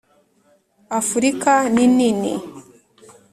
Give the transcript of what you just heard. Afurika ninini.